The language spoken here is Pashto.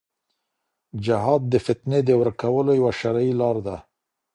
جهاد د فتنې د ورکولو یوه شرعي لار ده.